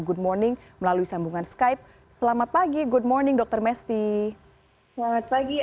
good morning melalui sambungan skype selamat pagi good morning dokter mesty selamat pagi